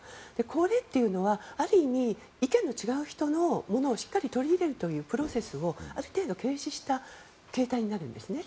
これっていうのはある意味意見の違う人のものをしっかり取り入れるというプロセスをある程度、軽視した形態になるんですね。